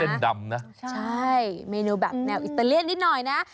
ดำนะใช่เมนูแบบแนวอิตาเลียนนิดหน่อยนะ